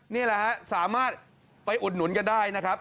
นี่แหละฮะสามารถไปอุดหนุนกันได้นะครับ